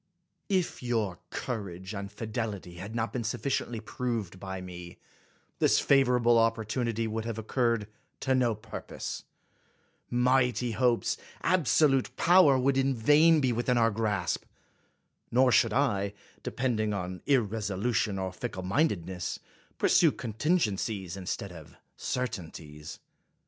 If your courage and fidelity had not been suf ficiently proved by me, this favorable oppor tunity would have occurred to no purpose; mighty hopes, absolute power, would in vain be within our grasp; nor should I, depending on irresolution or ficklemindedness, pursue contin gencies instead of certainties.